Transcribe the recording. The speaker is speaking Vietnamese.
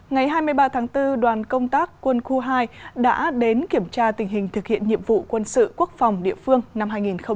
ngày hai mươi ba tháng bốn đoàn công tác quân khu hai đã đến kiểm tra tình hình thực hiện nhiệm vụ quân sự quốc phòng địa phương năm hai nghìn hai mươi